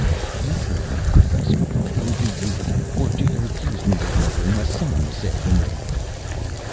"You heard me, professor. Will you leave? Or do you accuse me of murdering Massan this afternoon?"